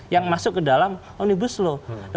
yang masuk ke dalam omnibus law